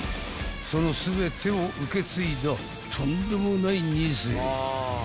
［その全てを受け継いだとんでもない二世］